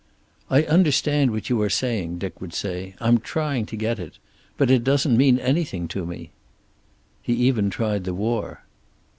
"I understand what you are saying," Dick would say. "I'm trying to get it. But it doesn't mean anything to me." He even tried the war.